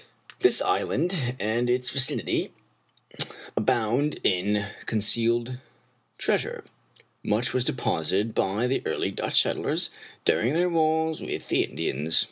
This island and its vicinity abound in con cealed treasure. Much was deposited by the early Dutch settlers during their wars with the Indians.